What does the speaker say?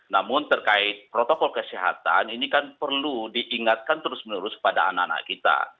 namun terkait protokol kesehatan ini kan perlu diingatkan terus menerus pada anak anak kita